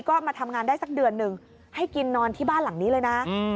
ก็มาทำงานได้สักเดือนหนึ่งให้กินนอนที่บ้านหลังนี้เลยนะ